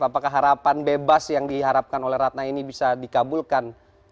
apakah harapan bebas yang diharapkan oleh ratna ini bisa dikabulkan